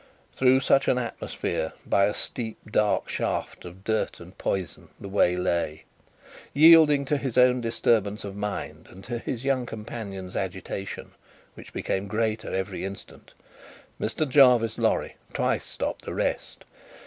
Through such an atmosphere, by a steep dark shaft of dirt and poison, the way lay. Yielding to his own disturbance of mind, and to his young companion's agitation, which became greater every instant, Mr. Jarvis Lorry twice stopped to rest.